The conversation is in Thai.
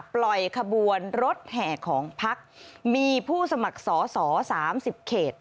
ปล่อยขบวนรถแห่ของภักดิ์มีผู้สมัครสอสอสามสิบเขต